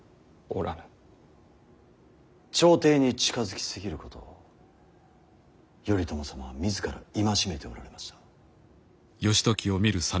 朝廷に近づき過ぎることを頼朝様は自ら戒めておられました。